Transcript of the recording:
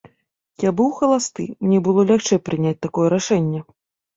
Я быў халасты, мне было лягчэй прыняць такое рашэнне.